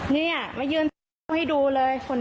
เนี่ยมายื่นครับให้ดูเลยคนนี้